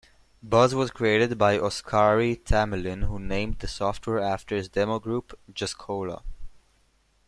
Buzz was created by Oskari Tammelin who named the software after his demogroup, Jeskola.